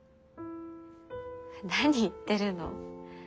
何言ってるの？